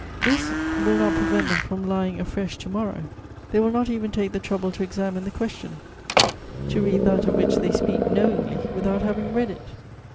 This will not prevent them from lying afresh to morrow; they will not even take the trouble to examine the question, to read that of which they speak "knowingly" without having read it!